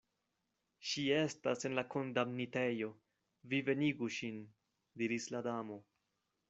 "Ŝi estas en la kondamnitejo, vi venigu ŝin," diris la Damo.